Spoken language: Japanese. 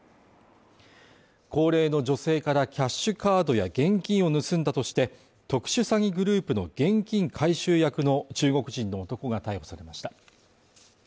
高齢の女性からキャッシュカードや現金を盗んだとして、特殊詐欺グループの現金回収役の中国人の男が逮捕されました。